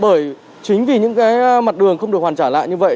bởi chính vì những cái mặt đường không được hoàn trả lại như vậy